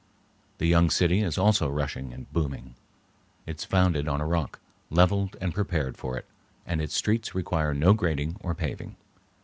The young city is also rushing and booming. It is founded on a rock, leveled and prepared for it, and its streets require no grading or paving.